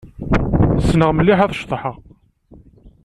Ssneɣ mliḥ ad ceḍḥeɣ.